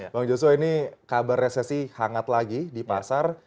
bang joshua ini kabar resesi hangat lagi di pasar